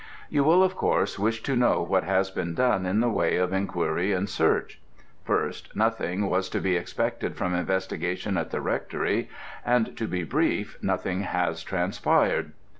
You will, of course, wish to know what has been done in the way of inquiry and search. First, nothing was to be expected from investigation at the Rectory; and to be brief, nothing has transpired.